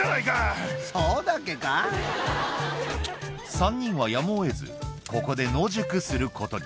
３人はやむを得ずここで野宿することに